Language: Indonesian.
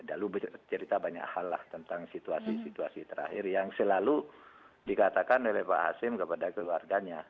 lalu bercerita banyak hal lah tentang situasi situasi terakhir yang selalu dikatakan oleh pak hasim kepada keluarganya